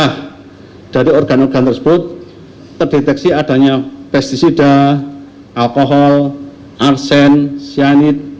nah dari organ organ tersebut terdeteksi adanya pesticida alkohol arsen cyanida